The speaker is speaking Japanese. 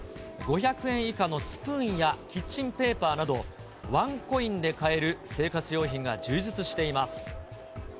５００円以下のスプーンやキッチンペーパーなど、ワンコインで買える生活用品が充実しています。